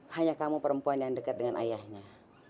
hanya kamu perempuan yang dekat dengan ayahnya